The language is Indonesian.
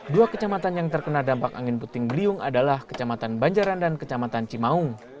dua kecamatan yang terkena dampak angin puting beliung adalah kecamatan banjaran dan kecamatan cimaung